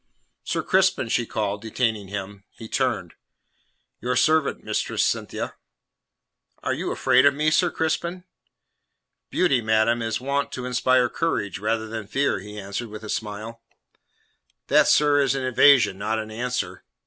"Sir Crispin," she called, detaining him. He turned. "Your servant, Mistress Cynthia." "Are you afraid of me, Sir Crispin?" "Beauty, madam, is wont to inspire courage rather than fear," he answered, with a smile. "That, sir, is an evasion, not an answer."